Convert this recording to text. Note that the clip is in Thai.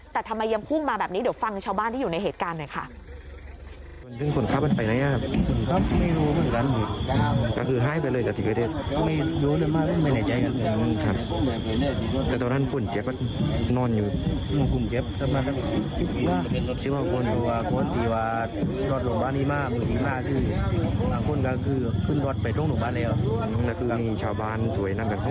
แต่ทำไมยังพุ่งมาแบบนี้เดี๋ยวฟังชาวบ้านที่อยู่ในเหตุการณ์หน่อยค่ะ